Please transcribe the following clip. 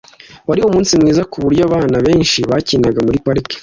wari umunsi mwiza kuburyo abana benshi bakinaga muri parike